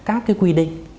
tất cả các cái quy định